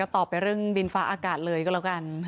ต่อไปเรื่องดินฟ้าอากาศเลยก็แล้วกัน